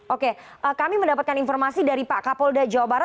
oke kami mendapatkan informasi dari pak kapolda jawabara